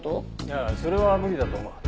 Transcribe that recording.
いやそれは無理だと思う。